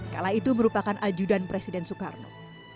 kala itu merupakan ajudan presiden soekarno